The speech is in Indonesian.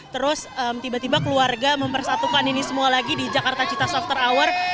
terus tiba tiba keluarga mempersatukan ini semua lagi di jakarta citas after hour